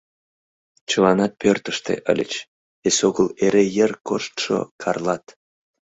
Чыланат пӧртыштӧ ыльыч, эсогыл эре йыр коштшо Карлат.